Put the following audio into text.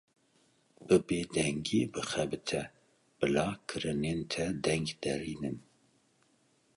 Bi bêdengî bixebite, bila kirinên te deng derînin.